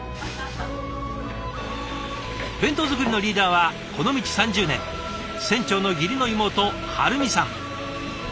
弁当作りのリーダーはこの道３０年船長の義理の妹晴美さん。